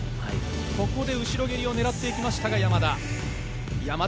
ここで後ろ蹴りを狙っていきましたが、山田。